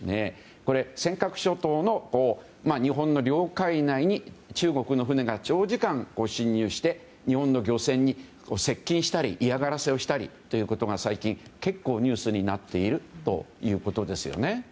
尖閣諸島の日本の領海内に中国の船が長時間侵入して日本の漁船に接近したり嫌がらせをするということが最近、結構ニュースになっているということですね。